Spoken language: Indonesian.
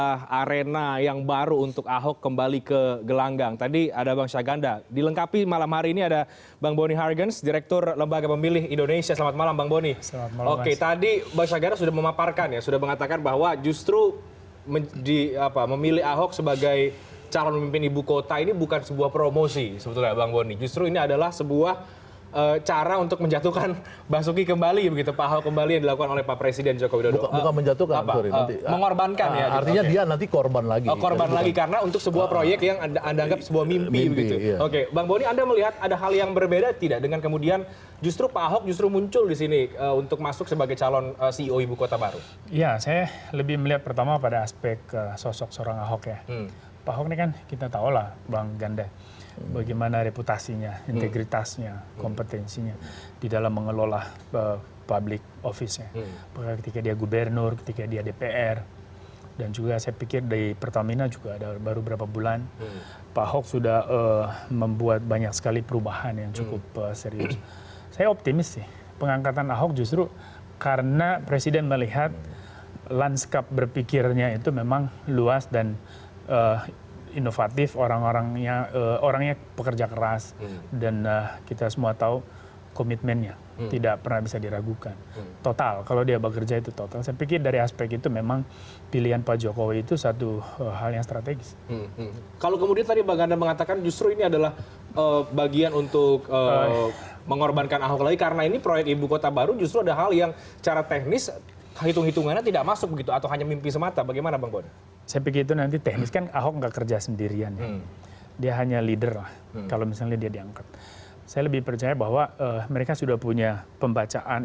hanya leader kalau misalnya diangkat saya lebih percaya bahwa mereka sudah punya pembacaan